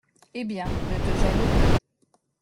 Eh bien, ne te gêne plus.